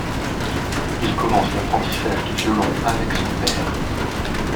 Il commence l'apprentissage du violon avec son père.